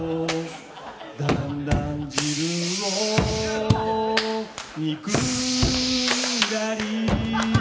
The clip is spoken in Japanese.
だんだん自分を憎んだり